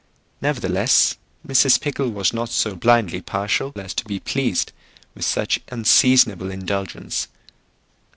Nevertheless, Mrs. Pickle was not so blindly partial as to be pleased with such unseasonable indulgence.